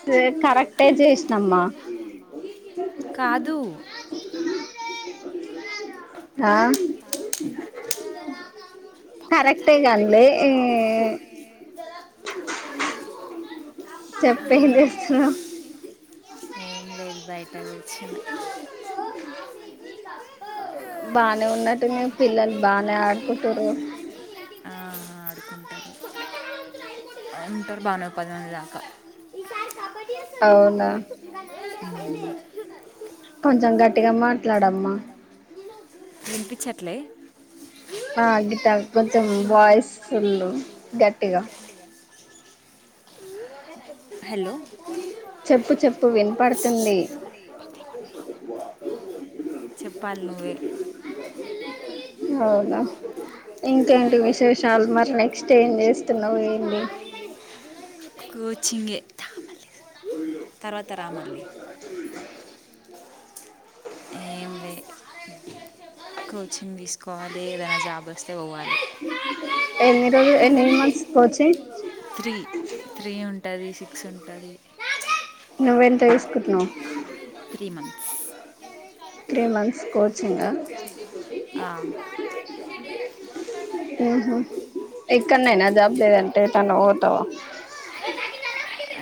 సే కరెక్టే చేసినమ్మా ఆహ్ కరెక్టే కద్నే ఈ చెప్ ఏం చేస్తున్నావ్ నేన్ బయట కూర్చున్న బానే ఉన్నట్టుందిగా పిల్లలు బానే ఆడుకుంటూరు. ఉంటారు బానే పది మంది దాకా అవునా ట్టిగా మాట్లాడమ్మా వినిపించట్లే ఆ గిట్ట కొంచెం వాయిస్లు గట్టిగా అ చెప్పు చెప్పు వినపడుతుంది. చెప్పాలి నువ్వె అవునా ఇంకేంటి విష్ ఏంటి విశేషాలు మరి నెక్స్ట్ ఏం చేస్తున్నారు. మీరు కోచింగే తర్వాత రా మళ్ళీ ఏమ్ లే కోచింగ్ తీసుకోవాలి. ఏదైనా జాబ్ అస్ ఎన్ని రోజు, ఎన్ని మంత్స్, కోచింగ్ ఉంటది. సిక్స్ ఉంటది. నువ్వేంత తీసుకుంటున్నావ్. త్రీ మంత్స్ త్రీ మంత్స్ కోచింగా ఆ అహా ఎక్కనైనా జాబ్ లేదంటేమ్ చనుతో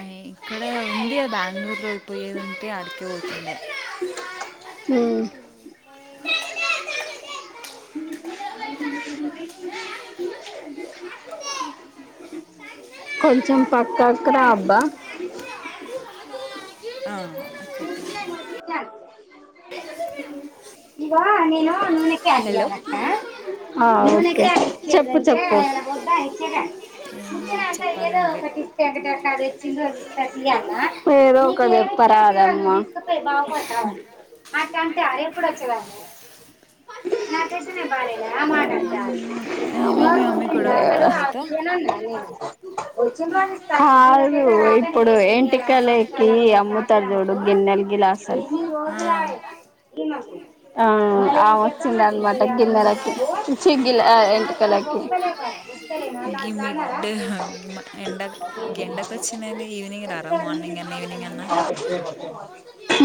అ ఇక్కడ ఉండి బాంగూళూరులో పోయే ద్ కి ఆడుకిపోతున్నాం మ్మ్ కొంచం పక్కకు రా అబ్బా ఇవా నేను నూనె అయ్యా అనక ఆ ఓకే చెప్పు చెప్పు ఏదో ఒకటి చెప్ప రాదమ్మ తే ఆదేపుడొచి నా కసలే బాలేదా ఆమాటంటాది [unintelligible] కు దిరిందా నా కియానన్న నేను కాదు ఇప్పుడు ఎంటి కలకి అమ్ముతారు చూడు గిన్నలు గిలాసలు ఆ ఆ వచ్చింది అనమాట గిన్నెలకి చి ల ఎంటకలకి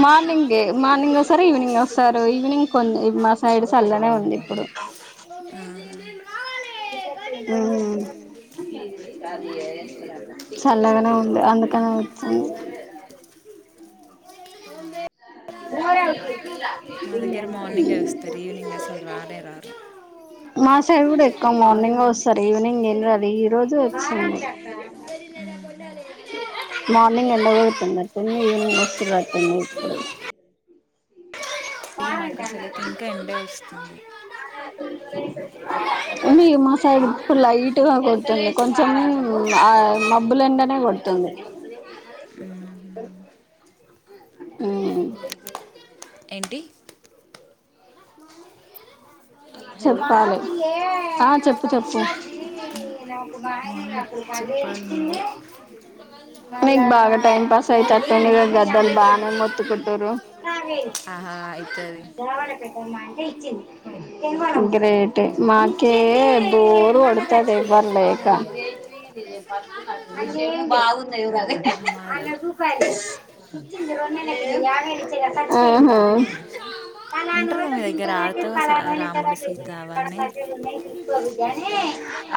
మార్నింగే మార్నింగ్ వస్సరు ఈవినింగ్ వస్సారు ఈవినింగ్ కొన్ని మా సైడ్ సల్లనే ఉంది ఇప్పుడు [inaudible] మ్మ్ చల్లగానే ఉంది అందుకనే వచ్చింది [inaudible] మా సైడ్ కూడా ఎక్కువ మార్నింగ్ వస్తారు ఈవినింగ్ ఏం రాదు ఈ రోజు వచ్చింది. మార్నింగ్ ఎండ కొడుతున్నట్టుంది ఈవెనింగ్ వస్సద ఓన్లీ ఇప్పుడేనా మీ మా సైడ్ ఇప్పుడు లైట్గా కొడుతుంది కొంచం ఆ మబ్బులెండానే కొడుతుంది ఉమ్ ఏంటి చెప్పాలి ఆ చెప్పు చెప్పు మీకు బాగా టైం పాస్ అయితట్టుంది గా గద్దలు బాగానే మొత్తుకుంటురు గ్రేట్ ఏ మా కే బోరు కొడతాది ఎవరులేక త ఎంకాదు ఆహా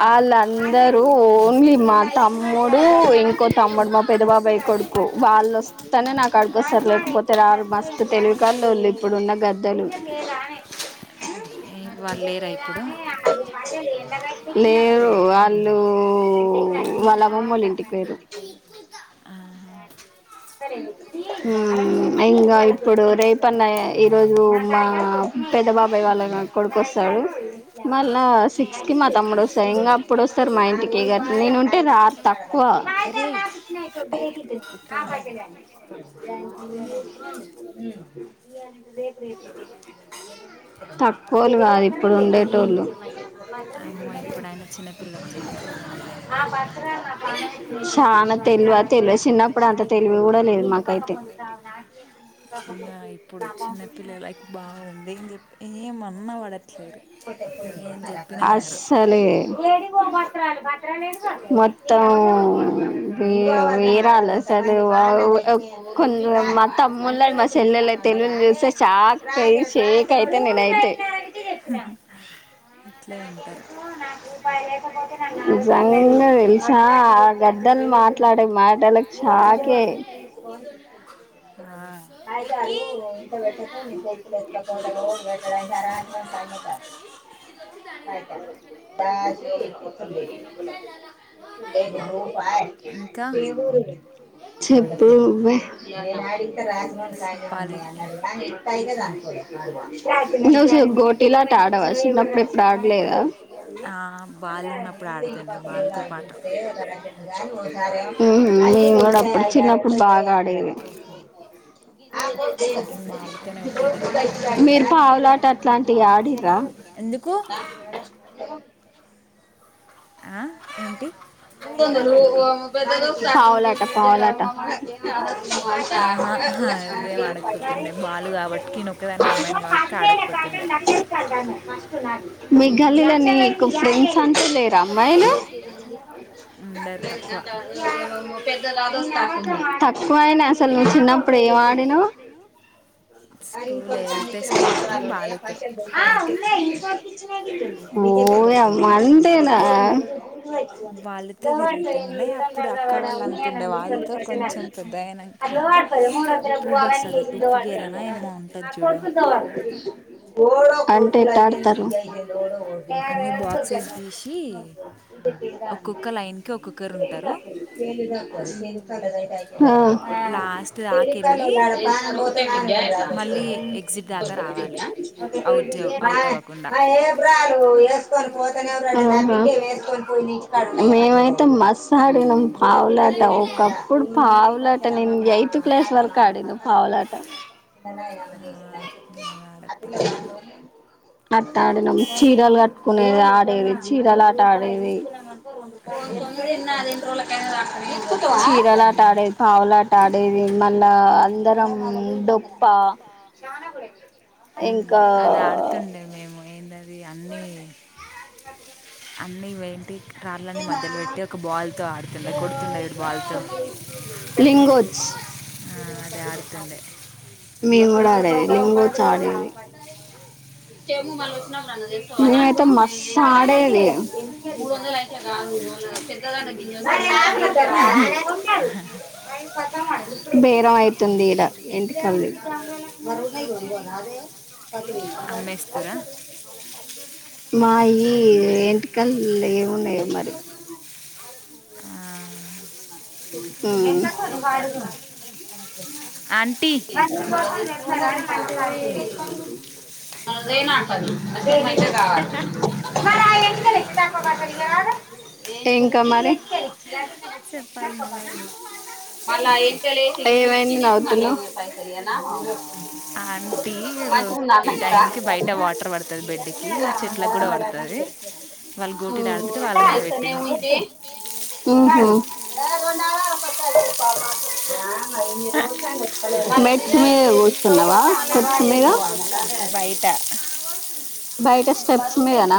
ఆళ్ళందరూ ఓన్లీ మా తమ్ముడు ఇంకో తమ్ముడు ఇప్పుడు మా పెద్ద బాబాయ్ కొడుకు వాళ్ళు వస్తేనే నాకాడికోస్తారు లేకపోతే రారు మస్తు తెలివి కల్లోళ్ళు ఇప్పుడున్న గద్దలు లేరు వాళ్ళు వాళ్ళ అమ్మమ్మోళ్ళింటికి పెయిరు హ్మ్ ఇంగా ఇప్పుడు రేపన్న ఈరోజు మా పెద్ద బాబా యి వాళ్ళగా కొడుకొస్ స్తడు మళ్ళా సిక్స్ కి మా తమ్ముడు వస్తారు ఇంగా అప్పుడొస్తారు మా ఇంటికి గ నేనుంటే రారు తక్కువ తక్కువొళ్ళు కాదు అమ్మో ఇప్పుడు ఆయిన చిన్నపిల్లలకు చాలా తెలివి ఉందిలే చాలా తెలివ తెలివ చిన్నపుడు అంత తెలివి కూడా లేదు మాకైత ఆ ఇప్పుడు చిన్నపిల్లలై బాగుంది ఎం చె ఏ మన్న పడ అస్సలే మొత్తం వే వేరఅల్ల చదువు వావ్ కొండ్రోలు మా తమ్ముల మా చెల్లెళయి తెలివి ని చూస్తే షాక్ అయి షేక్ అయితే నేనయితే అట్లే ఉంటరు పోతే నన్నా నిజంగా తెలుసా ఆ గద్దలు మాట్లాడే మాటలకి షాకే దాది చెప్పు నువ్వే ఆడవసిప్పుడు ఎప్పుడు ఆడలేదా ఉహు నేను గుడ అప్పుడు చి చిన్నప్పుడు బాగా ఆడేది. మీరు పావులాట అట్లాంటివి ఆడి ఎంత పావులాట పావులాట [unintelligible] మేఘాలయలోనే ఎక్కువ ఫ్రెండ్స్ తంతులే రా అమ్మాయిలు తక్కువ అయినా అసలు నువ్ చిన్నప్పుడు ఏం ఆడినవ్ పోవే మంటేనా దతురు దతుంది మూడు ద కొకు దతు [unintelligible] పేట్ ఆడతారు [unintelligible] [unintelligible] ఆహా మేమైతే మస్త్ ఆడినం. పావులాట ఒకప్పుడు పావులాట నేను ఎయిత్ క్లాస్ వరకు ఆడినా పావులాట అట్ట ఆడినం చీరలు కట్టుకునేది ఆడేది చీరలు ఆట ఆ [unintelligible] చీరలాట ఆడేది పావులాట ఆడేది మళ్ళా అందరం డోప్ప ఇంకా ఇది అన్నీ [unintelligible] అన్నీ వెేంటి రాళ్ళని మధ్యలో పెట్టి ఒక బాల్ తో ఆడుతుండే లింగోచ్ మేము కూడా ఆడేది లింగోచ్ ఆడేది నేను అయితే మస్సు ఆడేది బేరం అయితుంది ఇడ ఇంటికల్లి మాయి ఏ ఇంటికల్ ఏమున్నాయ మరి హ్మ్ అదే నాపది [unintelligible] టింకా మరి మళ్ళా అయితలేదు ఏమైనా నవుతునవు మకుంద ఊహూ ఏ రెడు నళాట్ట అ మెస్మ డ్స్ ఉన్నావా ఖర్చుమేగా బయట స్టెప్స్ మీదనా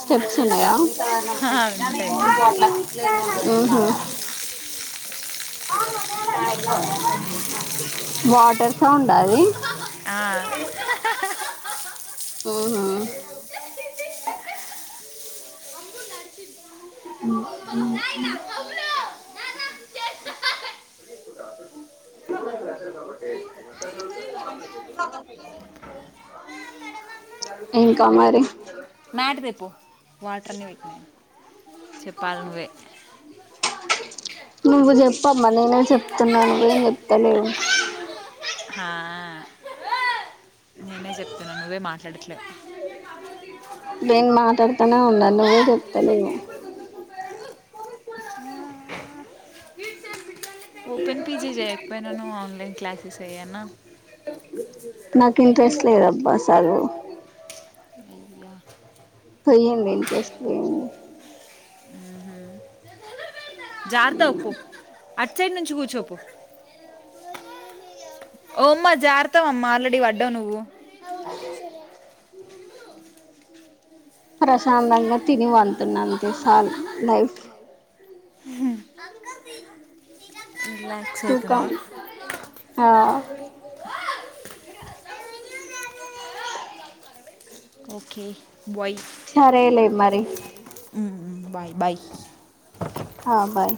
స్టెప్స్ ఉన్నాయా [unintelligible] ఊహూ వాటర్ సౌండ్ అది ఆ ఓహో ఇంకా మరి నాటి రపు వాటర్ని పెట్టినాను చెప్పాలి నువ్వే నువుజప్ప మ నేనే చెప్తున్నా నువ్వ ఏం చెప్తా లేవు ఆ నేనే చెప్తాను నువ్వే మాట్లాడట్లేదు నేను మాట్లాడుతానే ఉన్నాలను నువ్వవు చెప్తలేవ్ ఆ ఓపన్ పీజీ చేయకపోయినా ఆన్లైన్ క్లాసెస్ చేయనా అగా పోయంది ఇంట్రెస్ట్ పోయంది ఆహ జార్త ఒప్పు అట్ సైడ్ నుంచి కూర్చోప్పు ఓమ్మా జరతావ అమ్మ ఆల్రెడీ పడ్డావు నువ్వు అ ప్రశాంతంగా తిని వతున్నాంతే సా లైఫ్ సుఖం ఆ ఆడి ఓకే సరేలే మరి బాయ్ బాయ్ ఆ బాయ్